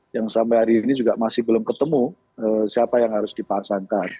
yang sampai hari ini juga masih belum ketemu siapa yang harus dipasangkan